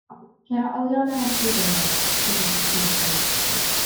Ceir olion aredig yma ac acw dros y crug hwn.